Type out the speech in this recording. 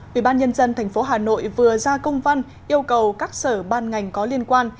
ủy ban nhân dân tp hà nội vừa ra công văn yêu cầu các sở ban ngành có liên quan